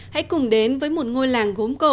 hãy cùng đến với một ngôi nhà dài nhiều thế hệ sinh sống